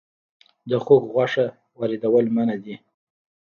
د خوګ غوښه واردول منع دي